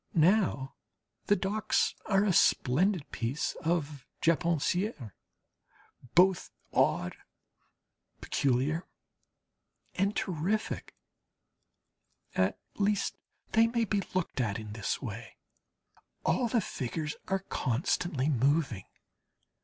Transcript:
Now the docks are a splendid piece of Japonaiserie, both odd, peculiar, and terrific. At least they may be looked at in this way. All the figures are constantly moving.